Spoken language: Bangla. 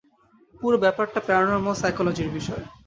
পুরো ব্যাপারটা প্যারানরমাল সাইকোলজির বিষয়।